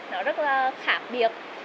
nó rất là khác biệt